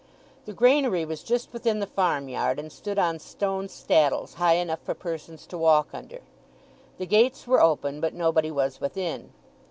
The granary was just within the farm yard, and stood on stone staddles, high enough for persons to walk under. The gates were open, but nobody was within.